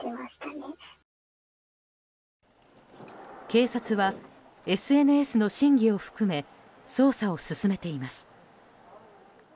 警察はＳＮＳの真偽を含め捜査を進めています。